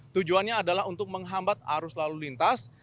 tujuannya adalah untuk menghambat arus lalu lintas